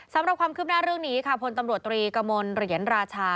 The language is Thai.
สำหรับความคืบหน้าเรื่องนี้ค่ะพลตำรวจตรีกระมวลเหรียญราชา